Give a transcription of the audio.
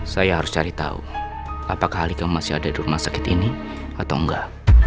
saya harus cari tahu apakah alika masih ada di rumah sakit ini atau enggak